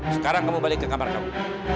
sekarang kamu balik ke kamar kamu